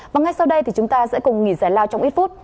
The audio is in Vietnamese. và ngay sau đây chúng ta sẽ cùng nghỉ giải lào trong ít phút